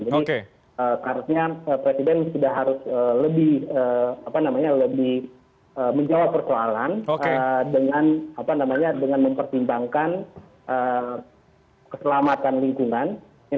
jadi seharusnya presiden sudah harus lebih menjawab persoalan dengan mempertimbangkan keselamatan lingkungan